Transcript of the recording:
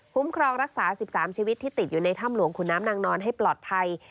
ครองรักษา๑๓ชีวิตที่ติดอยู่ในถ้ำหลวงขุนน้ำนางนอนให้ปลอดภัย